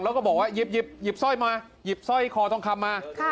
แล้วก็บอกว่ายิบซ่อยมายิบซ่อยคอทองคำมา